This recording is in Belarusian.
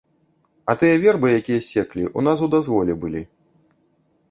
А тыя вербы, якія ссеклі, у нас у дазволе былі.